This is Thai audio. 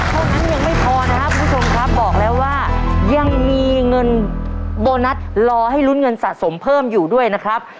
เท่านั้นยังไม่พอนะครับคุณผู้ชมครับบอกแล้วว่ายังมีเงินโบนัสรอให้ลุ้นเงินสะสมเพิ่มอยู่ด้วยนะครับ